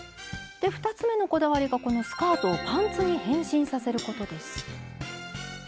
で２つ目のこだわりがこのスカートをパンツに変身させることです。